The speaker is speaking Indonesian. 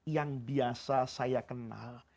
yang biasa saya kenal